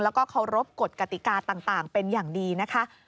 แล้วก็เคารพกฎกติกาต่างเป็นอย่างดีนะคะ